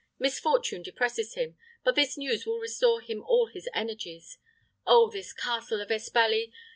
Misfortune depresses him; but this news will restore him all his energies. Oh, this castle of Espaly!